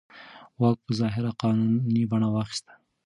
واک په ظاهره قانوني بڼه واخیسته.